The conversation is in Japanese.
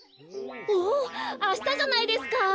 おおあしたじゃないですか！